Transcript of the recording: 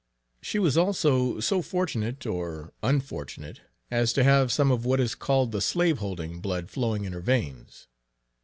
She was also so fortunate or unfortunate, as to have some of what is called the slaveholding blood flowing in her veins.